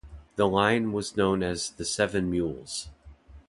The line was known as the "Seven Mules".